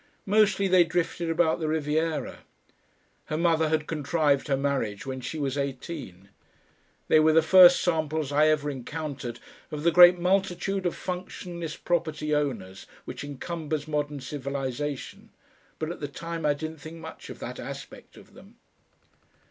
Mostly they drifted about the Riviera. Her mother had contrived her marriage when she was eighteen. They were the first samples I ever encountered of the great multitude of functionless property owners which encumbers modern civilisation but at the time I didn't think much of that aspect of them....